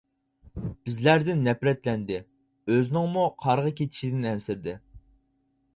بىزلەردىن نەپرەتلەندى، ئۆزىنىڭمۇ قارىغا كېتىشىدىن ئەنسىرىدى.